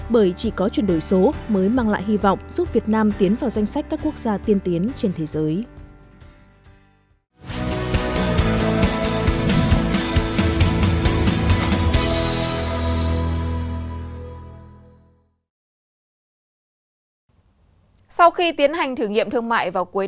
bởi chỉ có chuyển đổi số mới mang lại hy vọng giúp việt nam tiến vào danh sách các quốc gia tiên tiến trên thế giới